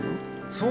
そう。